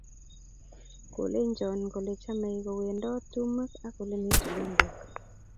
Kolenjon kole chamei kowendote tumwek ak olemi tulondok